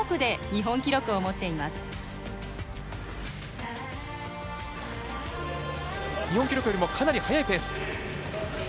日本記録よりもかなり速いペース。